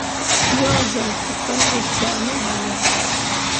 Yo zal ke pelɓe cea ne ɓalle.